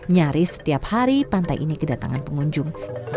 nyaris setiap hari pantai ini kedatangan pengunjung